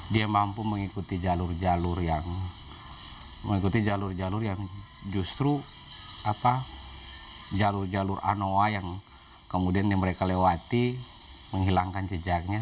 dia mampu mengikuti jalur jalur yang justru jalur jalur anoa yang kemudian mereka lewati menghilangkan jejaknya